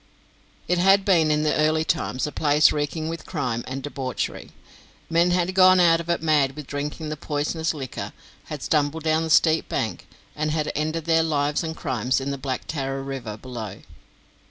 It had been, in the early times, a place reeking with crime and debauchery. Men had gone out of it mad with drinking the poisonous liquor, had stumbled down the steep bank, and had ended their lives and crimes in the black Tarra river below.